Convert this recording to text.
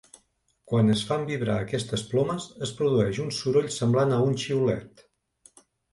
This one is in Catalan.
Quan es fan vibrar aquestes plomes, es produeix un soroll semblant a un xiulet.